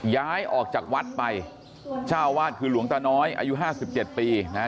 ย้ายออกจากวัดไปเจ้าวาดคือหลวงตาน้อยอายุห้าสิบเจ็ดปีนะฮะ